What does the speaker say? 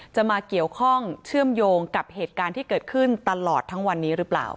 จะมาเกี่ยวข้องเชื่อมโยงกับเหตุการณ์ที่เกิดขึ้นตลอดทั้งวันนี้หรือเปล่า